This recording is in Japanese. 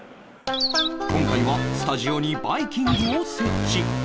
今回はスタジオにバイキングを設置